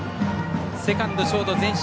セカンド、ショート前進。